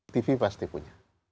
tv pasti punya